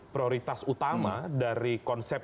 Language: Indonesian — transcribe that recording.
prioritas utama dari konsep